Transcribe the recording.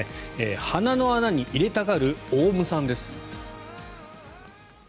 鼻の穴に入れたがるオウムさんです。